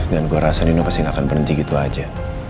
dan gue rasa nino pasti gak akan berhenti gitu aja